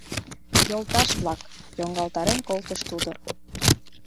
— Йолташ-влак! — йоҥгалтарен колтыш тудо.